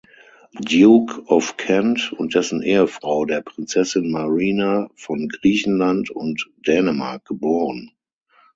Duke of Kent, und dessen Ehefrau, der Prinzessin Marina von Griechenland und Dänemark, geboren.